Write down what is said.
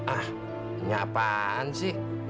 ah ini apaan sih